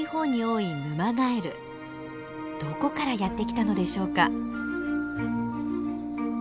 どこからやって来たのでしょうか。